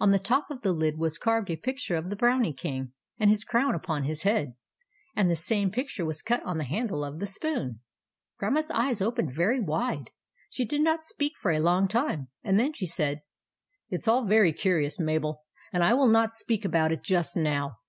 On the top of the lid was I carved a picture of the Brownie King with his crown upon his head, and the same I picture was cut on the handle of the spoon. Grandma's eyes opened very wide. She did not speak for a long time, and then she I said :— 11 It is all very curious, Mabel, and I will I not speak about it just now.